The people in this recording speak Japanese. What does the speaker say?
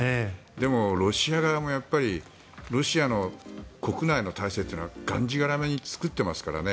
でもロシア側もロシアの国内の体制というのはがんじがらめに作ってますからね。